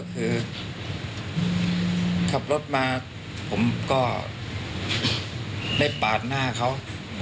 คือขับรถมาผมก็ได้ปาดหน้าเขา